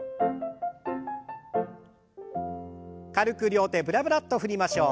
軽く両手ブラブラッと振りましょう。